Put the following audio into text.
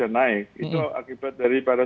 naik itu akibat daripada